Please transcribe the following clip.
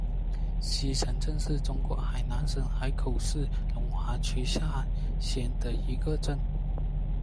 城西镇是中国海南省海口市龙华区下辖的一个镇。